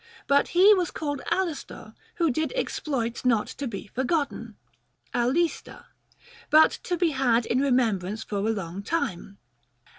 But he was called Alastor who did exploits not to be forgotten (αληστα) but to be had in remembrance for a long time.